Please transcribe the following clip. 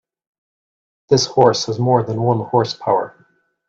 This horse has more than one horse power.